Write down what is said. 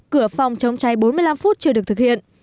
cửa phòng chống cháy bốn mươi năm phút chưa được thực hiện